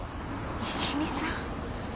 西見さん。